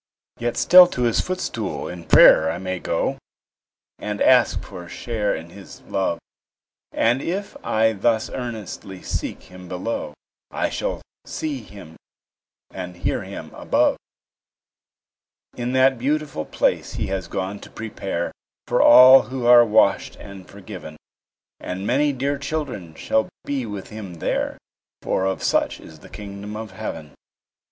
Yet still to His footstool in prayer I may go, And ask for a share in His love; And if I thus earnestly seek Him below, I shall see Him and hear Him above; In that beautiful place He has gone to prepare For all who are washed and forgiven; And many dear children shall be with Him there, For of such is the kingdom of heaven.